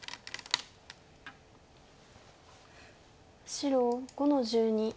白５の十二。